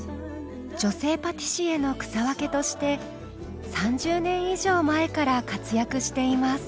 女性パティシエの草分けとして３０年以上前から活躍しています。